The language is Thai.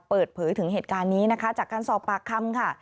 เปิดเผยถึงเหตุการณ์นี้นะคะจากการสอบปากคำค่ะ